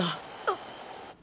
あっ！